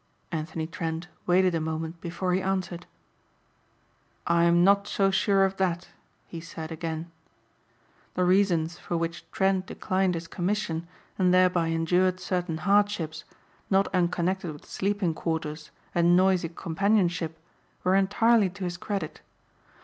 Anthony Trent waited a moment before he answered. "I'm not so sure of that," he said again. The reasons for which Trent declined his commission and thereby endured certain hardships not unconnected with sleeping quarters and noisy companionship were entirely to his credit.